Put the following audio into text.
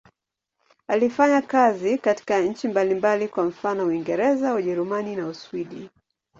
Alifanya kazi katika nchi mbalimbali, kwa mfano Uingereza, Ujerumani na Uswidi.